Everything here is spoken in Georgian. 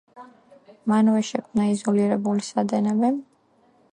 მანვე შექმნა იზოლირებული სადენები.